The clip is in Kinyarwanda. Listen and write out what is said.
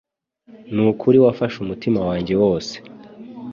Nukuri wafashe umutima wanjye wose